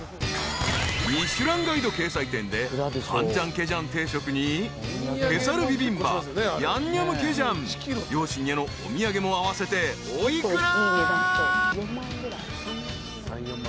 ［『ミシュランガイド』掲載店でカンジャンケジャン定食にケサルビビンバヤンニョムケジャン両親へのお土産も合わせてお幾ら？］